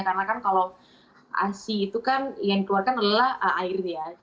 karena kan kalau asi itu kan yang dikeluarkan adalah airnya